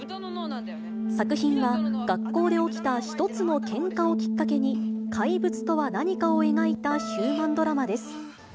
作品は、学校で起きた一つのケンカをきっかけに、怪物とは何かを描いたヒューマンドラマです。